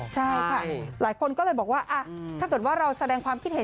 ใช่ค่ะหลายคนก็เลยบอกว่าถ้าเกิดว่าเราแสดงความคิดเห็น